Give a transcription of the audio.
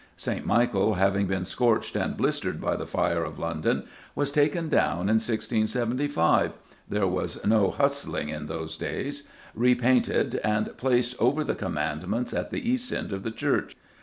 '" St. Michael, having been scorched and blistered by the Fire of London, was taken down in 1675 there was no "hustling" in those days repainted, and placed "over the Commandments at the east end of the church."